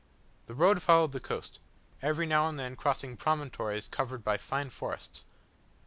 The road followed the coast; every now and then crossing promontories covered by fine forests.